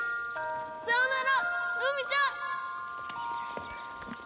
さようならルミちゃん！